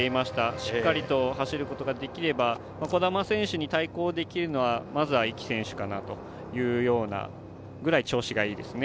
しっかりと走ることができれば兒玉選手に対抗できるのはまずは壹岐選手かなというようなぐらい調子がいいですね。